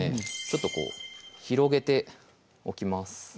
ちょっとこう広げておきます